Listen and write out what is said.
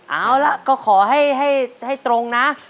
เอาล่ะก็ขอให้ตรงนะ